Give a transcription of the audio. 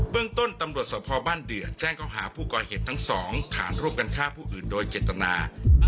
เรื่องต้นตำรวจสภบ้านเดือแจ้งเขาหาผู้ก่อเหตุทั้งสองฐานร่วมกันฆ่าผู้อื่นโดยเจตนา